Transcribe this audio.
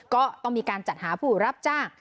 ก็ต้องมีการจัดหาผู้รับจ้าง